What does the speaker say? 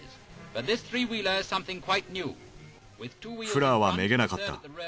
フラーはめげなかった。